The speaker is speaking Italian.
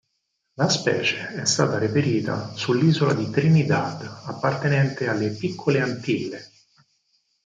La specie è stata reperita sull'isola di Trinidad, appartenente alle Piccole Antille.